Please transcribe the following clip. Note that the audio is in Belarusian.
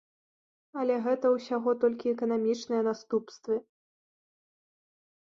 Але гэта ўсяго толькі эканамічныя наступствы.